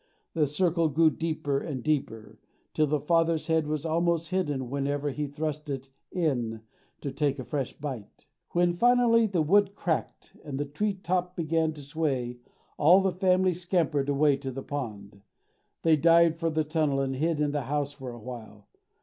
The circle grew deeper and deeper, till the father's head was almost hidden whenever he thrust it in to take a fresh bite. When finally the wood cracked and the tree top began to sway all the family scampered away to the pond. They dived for the tunnel and hid in the house for a while.